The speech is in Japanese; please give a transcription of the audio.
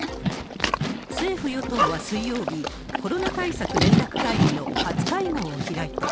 政府・与党は水曜日、コロナ対策連絡会議の初会合を開いた。